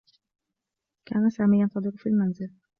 كان سامي ينتظر في المنزل.